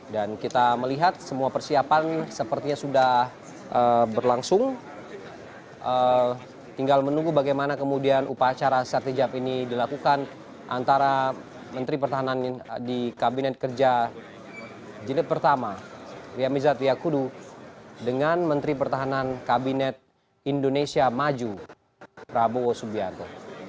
dan kita melihat semua persiapan ini sepertinya sudah berlangsung tinggal menunggu bagaimana kemudian upacara sertijab ini dilakukan antara menteri pertahanan di kabinet kerja jenderal pertama riyamizat riyakudu dengan menteri pertahanan kabinet indonesia maju prabowo subianto